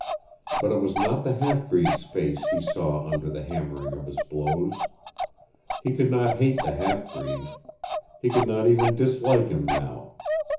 But it was not the half breed's face he saw under the hammering of his blows. He could not hate the half breed. He could not even dislike him now.